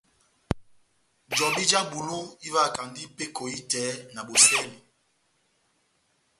Jobi já bulu ivahakandi peko ehitɛ na bosɛli.